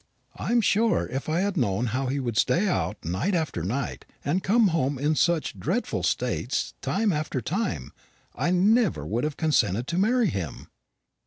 I'm sure if I'd known how he would stay out night after night, and come home in such dreadful states time after time, I never would have consented to marry him."